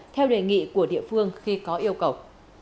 theo đề nghị của địa phương khi có yêu cầu